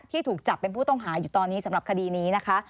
ถูกจับเป็นผู้ต้องหาอยู่ตอนนี้สำหรับคดีนี้นะคะ